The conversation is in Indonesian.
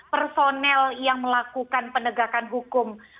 personel yang melakukan penegakan hukum